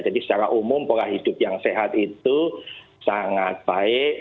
jadi secara umum pola hidup yang sehat itu sangat baik